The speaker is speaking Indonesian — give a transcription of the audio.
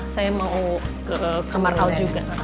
saya mau ke kamar laut juga